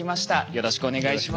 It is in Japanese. よろしくお願いします。